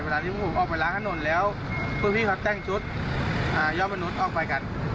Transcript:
ที่ผมออกไปล้างถนนแล้วพวกพี่เขาแต่งชุดยอดมนุษย์ออกไปกัน